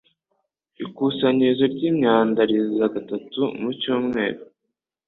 Ikusanyirizo ry'imyanda riza gatatu mu cyumweru.